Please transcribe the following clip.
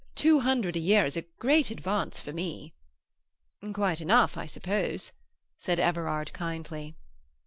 Two hundred a year is a great advance for me." "Quite enough, I suppose," said Everard kindly.